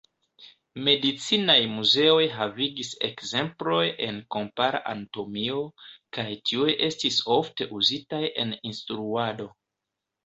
Medicinaj muzeoj havigis ekzemploj en kompara anatomio, kaj tiuj estis ofte uzitaj en instruado.